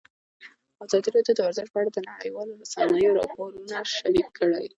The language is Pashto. ازادي راډیو د ورزش په اړه د نړیوالو رسنیو راپورونه شریک کړي.